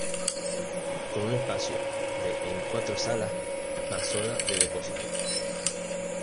Con un espacio de en cuatro salas más zona de depósito.